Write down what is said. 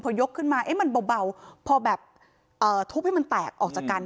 พอยกขึ้นมามันเบาพอแบบทุบให้มันแตกออกจากกัน